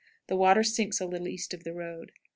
The water sinks a little east of the road.